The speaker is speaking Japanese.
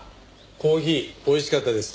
コーヒーおいしかったです。